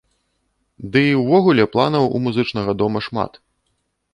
Ды і ўвогуле планаў у музычнага дома шмат.